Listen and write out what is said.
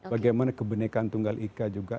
bagaimana kebenekaan tunggal ika juga